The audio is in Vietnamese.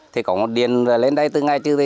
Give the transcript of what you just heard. thì có một điện lên đây từ ngày trước thì